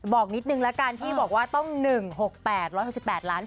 บอกนิดหนึ่งที่บอกว่าต้อง๑๖๘๑๖๘ล้าน